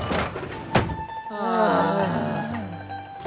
ああ。